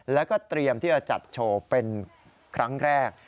แล้วก็เตรียมที่จะจัดโชว์เป็นครั้งแรก